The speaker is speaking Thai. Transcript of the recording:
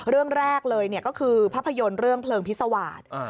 เรื่องแรกเลยก็คือภาพยนตร์เรื่องเพลิงพิษวาส